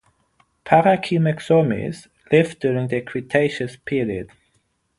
"Paracimexomys" lived during the Cretaceous period.